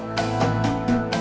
ya di mana